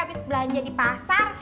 abis belanja di pasar